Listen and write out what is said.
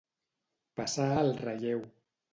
Passar el relleu.